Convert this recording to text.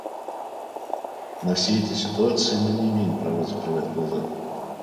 На все эти ситуации мы не имеем права закрывать глаза.